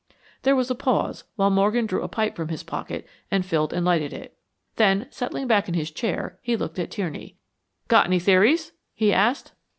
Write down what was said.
There was a pause while Morgan drew a pipe from his pocket and filled and lighted it. Then settling back in his chair, he looked at Tierney. "Got any theories?" he asked.